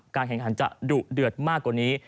แข่งขันจะดุเดือดมากกว่านี้